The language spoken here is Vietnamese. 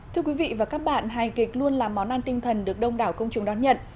thưa quý vị và các bạn hài kịch luôn là món ăn tinh thần được đông đảo công chúng đón nhận